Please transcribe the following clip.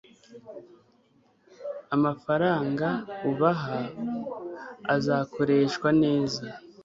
amafaranga ubaha azakoreshwa neza